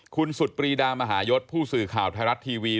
คุณสุดปรีดามหายศผู้สื่อข่าวไทยรัฐทีวี